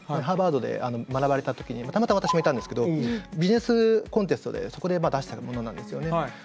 ハーバードで学ばれた時にたまたま私もいたんですけどビジネスコンテストでそこで出したものなんですよね。